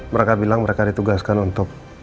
mereka bilang mereka ditugaskan untuk